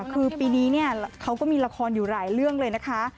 คือปีนี้เขาก็มีละครอยู่หลายเรื่องเลยนะคะ